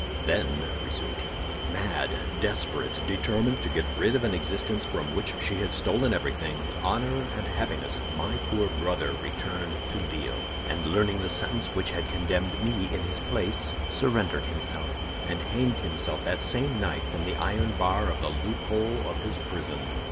"Then," resumed he, "mad, desperate, determined to get rid of an existence from which she had stolen everything, honor and happiness, my poor brother returned to Lille, and learning the sentence which had condemned me in his place, surrendered himself, and hanged himself that same night from the iron bar of the loophole of his prison.